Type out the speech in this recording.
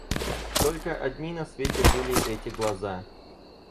Только одни на свете были эти глаза.